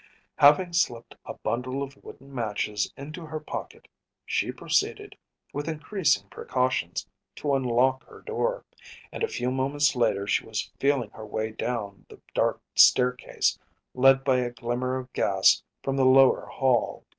Having slipped a bundle of wooden matches into her pocket she proceeded, with increasing precautions, to unlock her door, and a few moments later she was feeling her way down the dark staircase, led by a glimmer of gas from the lower hall.